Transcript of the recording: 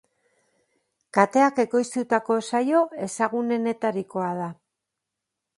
Kateak ekoiztutako saio ezagunenetarikoa da.